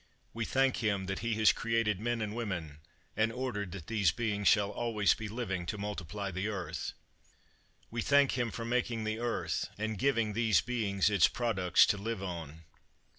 We thank Him that He has created men and women, and ordered that these beings shall always be living to multiply the earth. We thank Him for making the earth and giving these beings its products to live on.